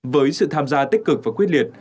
với sự tham gia tích cực và quyết liệt